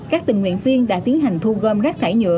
các tình nguyện viên đã tiến hành thu gom rác thải nhựa